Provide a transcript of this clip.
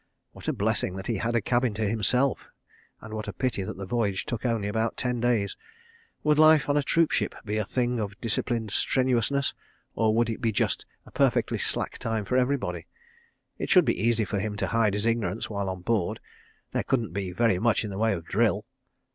What a blessing that he had a cabin to himself, and what a pity that the voyage took only about ten days. ... Would life on a troop ship be a thing of disciplined strenuousness, or would it be just a perfectly slack time for everybody? ... It should be easy for him to hide his ignorance while on board—there couldn't be very much in the way of drill.